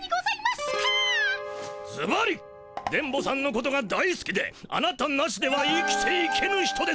ずばり電ボさんのことが大すきであなたなしでは生きていけぬ人です。